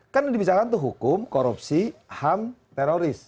kan dibicarakan itu hukum korupsi ham teroris